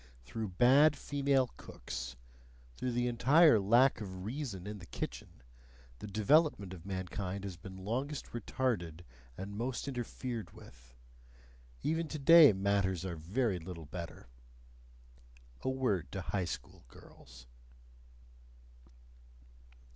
Through bad female cooks through the entire lack of reason in the kitchen the development of mankind has been longest retarded and most interfered with: even today matters are very little better. A word to High School girls.